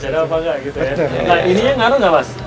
nah ini yang ngaruh nggak mas